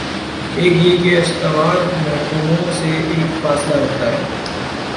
ایک یہ کہ استعمار محکوموں سے ایک فاصلہ رکھتا ہے۔